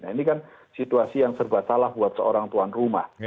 nah ini kan situasi yang serba salah buat seorang tuan rumah